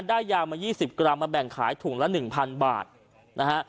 ได้ยามายี่สิบกรัมมาแบ่งขายถุงละหนึ่งพันบาทนะฮะ